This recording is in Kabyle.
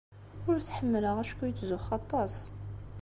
Ur t-ḥemmleɣ acku yettzuxxu aṭas.